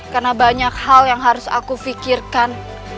karena banyak hal yang harus aku fikirkan